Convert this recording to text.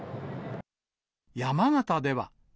山形では。